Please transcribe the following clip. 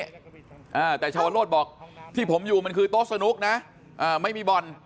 อ่าแต่ชาวโรธบอกที่ผมอยู่มันคือโต๊ะสนุกนะอ่าไม่มีบ่อน